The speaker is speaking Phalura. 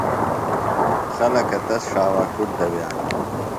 خلکہ تس ݜاوا کُڈ دوِیانہ۔